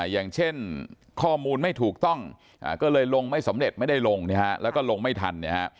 อย่างเช่นข้อมูลไม่ถูกต้องก็เลยลงไม่สำเร็จไม่ได้ลงแล้วก็ลงไม่ทัน